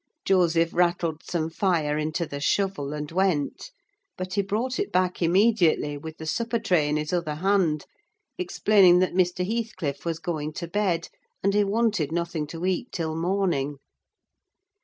Joseph rattled some fire into the shovel, and went: but he brought it back immediately, with the supper tray in his other hand, explaining that Mr. Heathcliff was going to bed, and he wanted nothing to eat till morning.